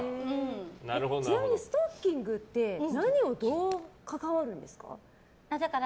ちなみにストッキングって何をどう関わるんですか？